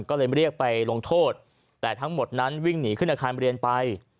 ก็เลยเรียกไปลงโทษแต่ทั้งหมดนั้นวิ่งหนีขึ้นอาคารเรียนไป